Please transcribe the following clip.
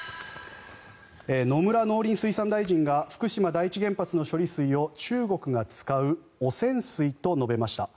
野村農林水産大臣が福島第一原発の処理水を中国が使う汚染水と述べました。